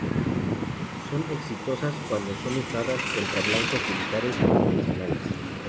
Son exitosas cuando son usadas contra blancos militares convencionales.